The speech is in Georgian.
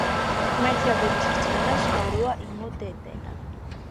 ღმერთია ბედის რწმენა, ზღვა როა იმოდოდენაა